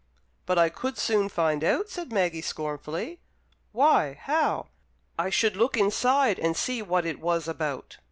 "But I could soon find out," said Maggie, scornfully. "Why, how?" "I should look inside, and see what it was about."